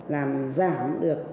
làm phù hợp với các đơn vị trường học